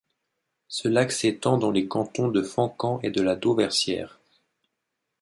Ce lac s’étend dans les cantons de Fancamp et de La Dauversière.